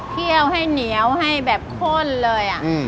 เคี่ยวให้เหนียวให้แบบข้นเลย